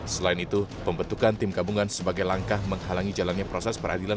selain itu pembentukan tim gabungan sebagai langkah menghalangi jalannya proses peradilan